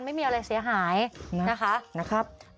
ไม่มีอะไรเสียหายนะคะ